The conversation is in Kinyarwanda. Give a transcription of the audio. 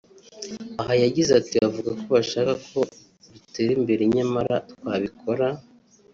Aha yagize ati “Bavuga ko bashaka ko dutera imbere nyamara twabikora